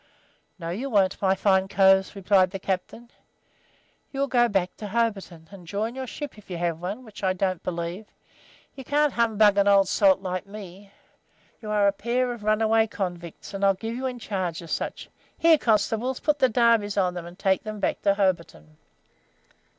"'No you won't, my fine coves,' replied the captain. 'You'll go back to Hobarton, and join your ship if you have one, which I don't believe. You can't humbug an old salt like me. You are a pair of runaway convicts, and I'll give you in charge as sich. Here, constables, put the darbies on 'em, and take 'em back to Hobarton.'